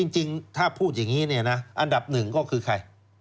จริงถ้าพูดอย่างนี้เนี่ยนะอันดับหนึ่งก็คือใคร